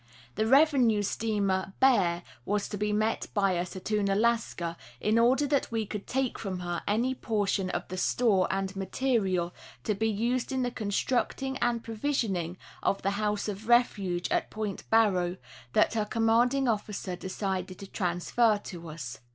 The revenue steamer Bear was to be met by us at Ounalaska, in order that we could take from her any portion of the stores and material to be used in the constructing and provisioning of the house of refuge at Point Barrow that her commanding offi cer desired to transfer to us.